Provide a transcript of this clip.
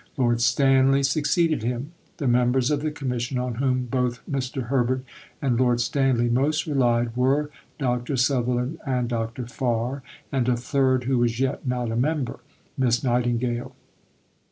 Lord Stanley succeeded him. The members of the Commission on whom both Mr. Herbert and Lord Stanley most relied were Dr. Sutherland and Dr. Farr, and a third, who was yet not a member Miss Nightingale.